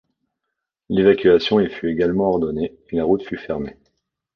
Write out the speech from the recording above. L'évacuation y fut également ordonnée, et la route fut fermée.